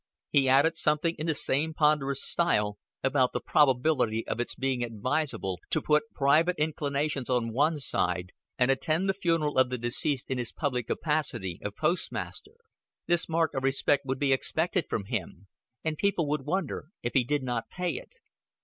He added something, in the same ponderous style, about the probability of its being advisable to put private inclinations on one side and attend the funeral of the deceased in his public capacity of postmaster. This mark of respect would be expected from him, and people would wonder if he did not pay it.